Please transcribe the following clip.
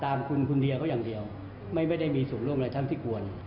ตามคุณคุณเดียเขาอย่างเดียวไม่ได้มีส่วนร่วมอะไรทั้งที่ควร